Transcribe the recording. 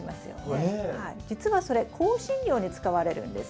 じつはそれ香辛料に使われるんです。